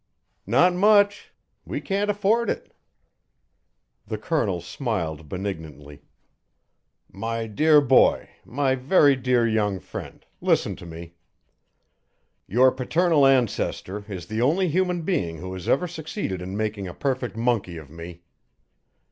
"Not much! We can't afford it." The Colonel smiled benignantly. "My dear boy, my very dear young friend, listen to me. Your paternal ancestor is the only human being who has ever succeeded in making a perfect monkey of me.